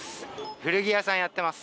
古着屋さんやってます。